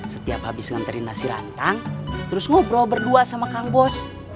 setiap habis nganterin nasi lantang terus ngobrol berdua sama kang bos